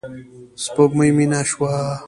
سپوږمۍ میینه شوه